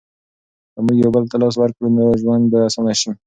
که موږ یو بل ته لاس ورکړو نو ژوند به اسانه شي.